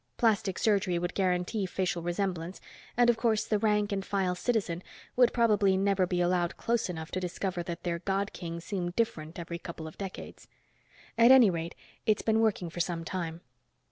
Plastic surgery would guarantee facial resemblance, and, of course, the rank and file citizen would probably never be allowed close enough to discover that their God King seemed different every couple of decades. At any rate, it's been working for some time."